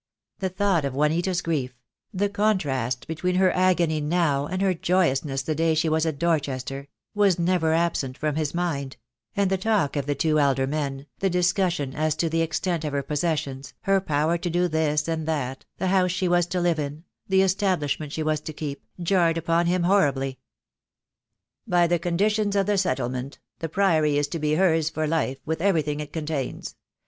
The thought of Juanita's grief — the contrast between her agony now and her jc ousness the day she was at Dorchester — was never absent from his mind; and the talk of the two elder men, the discussion as to the extent of her pos sessions, her power to do this and that, the house she was to live in, the estabhsnment she was to keep, jarred upon him horribly. "By the conditions of the settlement, the Priory is to be hers for her life, with everything it contains.